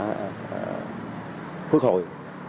đã phức hội